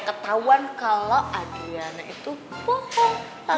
ketauan kalau adriana itu bohong